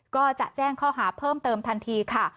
ก็จะแจ้งข้อหาเพิ่มเติมทันทีค่ะ